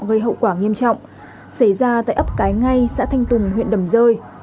gây hậu quả nghiêm trọng xảy ra tại ấp cái ngay xã thanh tùng huyện đầm rơi